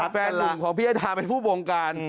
แฟนนุ่มหาผีฮะดามาเป็นผู้บงการ